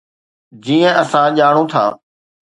جيئن اسان ڄاڻون ٿا.